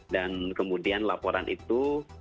dan kemudian laporan itu